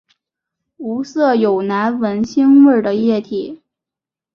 无色有难闻腥味的液体。